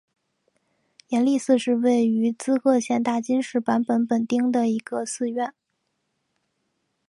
延历寺是位于滋贺县大津市坂本本町的一个寺院。